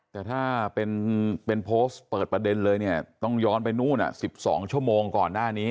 แต่ถ้าเป็นโพสต์เปิดประเด็นเลยเนี่ยต้องย้อนไปนู่น๑๒ชั่วโมงก่อนหน้านี้